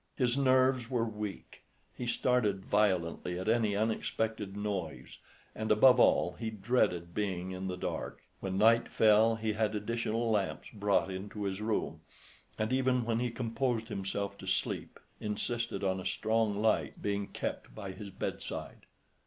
His nerves were weak; he started violently at any unexpected noise, and above all, he dreaded being in the dark. When night fell he had additional lamps brought into his room, and even when he composed himself to sleep, insisted on a strong light being kept by his bedside.